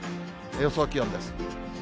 予想気温です。